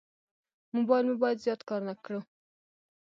موبایل مو باید زیات کار نه کړو.